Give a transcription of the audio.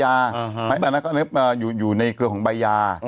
อันนั้นใบยาอันนั้นใบยาอยู่ในเครือของใบยา